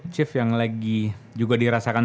chief yang lagi juga dirasakan